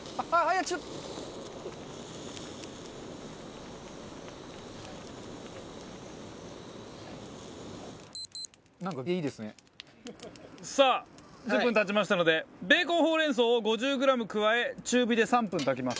カズレーザー：さあ１０分経ちましたのでベーコン、ほうれん草を５０ｇ加え中火で３分炊きます。